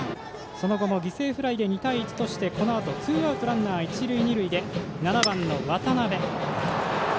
その後も犠牲フライで２対１として、このあとツーアウトランナー、一塁二塁で７番の渡辺。